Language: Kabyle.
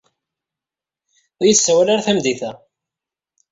Ur d iyi-d-sawal ara tameddit-a.